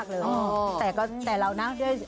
จริงแต่เป็นที่ไหนแล้วหนูก็เห็นดู